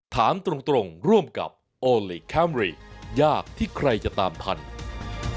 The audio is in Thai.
ถามตรงร่วมกับโอลี่คัมรี่ยากที่ใครจะตามพันธุ์